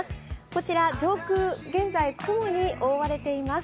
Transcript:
こちら上空、現在雲に覆われています。